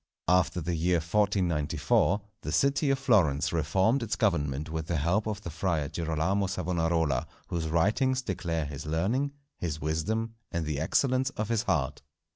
After the year 1494, the city of Florence reformed its government with the help of the Friar Girolamo Savonarola, whose writings declare his learning, his wisdom, and the excellence of his heart.